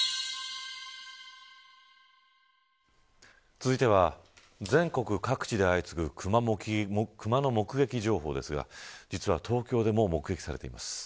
続いては全国各地で相次ぐくまの目撃情報ですが実は東京でも目撃されています。